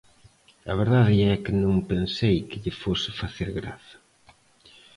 A verdade é que non pensei que lle fose facer graza.